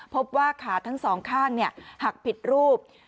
พบว่าขาทั้งสองข้างหักผิดรูป